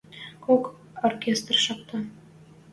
Кок оркестр шакта.